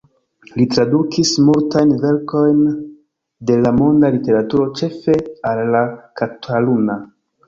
Li tradukis multajn verkojn de la monda literaturo ĉefe al la kataluna.